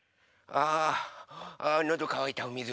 あのどかわいたおみず